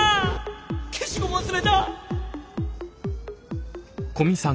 消しゴム忘れた。